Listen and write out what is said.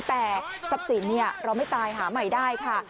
แต่ทรัพย์สินเราไม่ตายหาใหม่ได้ค่ะ